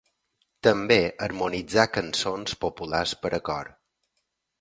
També harmonitzà cançons populars per a cor.